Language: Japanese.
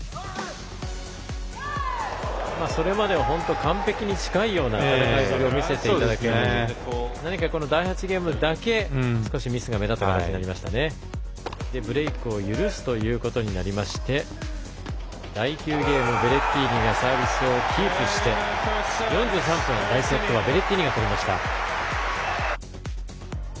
それまでは本当完璧に近いような戦いぶりを見せていただけに何か、第８ゲームだけ少しミスが目立った形でブレークを許すということになりまして第９ゲーム、ベレッティーニがサービスをキープして４３分の第１セットはベレッティーニが取りました。